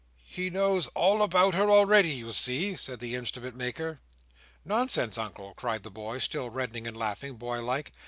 "He knows all about her already, you see," said the instrument maker. "Nonsense, Uncle," cried the boy, still reddening and laughing, boy like.